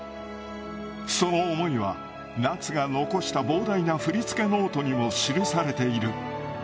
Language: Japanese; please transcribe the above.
その思いは夏が残した膨大な振り付けノートにも記されている。